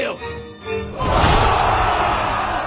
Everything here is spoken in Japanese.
お！